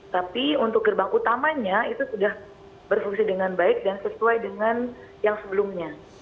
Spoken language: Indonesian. tapi untuk gerbang utamanya itu sudah berfungsi dengan baik dan sesuai dengan yang sebelumnya